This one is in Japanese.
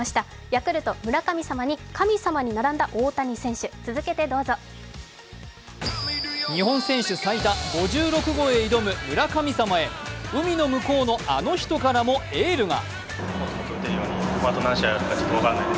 ヤクルト・村神様に神様に並んだ大谷選手、日本選手最多５６号へ挑む村神様へ、海の向こうのあの人からもエールが。